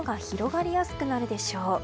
日曜日は雲が広がりやすくなるでしょう。